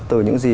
từ những gì